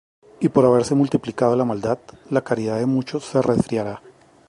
Y por haberse multiplicado la maldad, la caridad de muchos se resfriará.